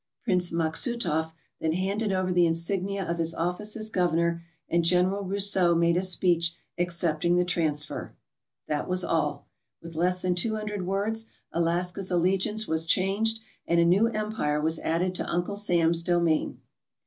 Prince Maksutoff then handed over the insignia of his office as governor, and General Rousseau made a speech accepting the transfer. That was all. With less than two hundred words Alaska's allegiance was changed and a new empire was added to Uncle Sam's domain.